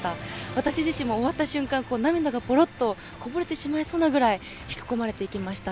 私自身も終わった瞬間、涙がぽろっとこぼれてしまいそうなくらい引き込まれていきました。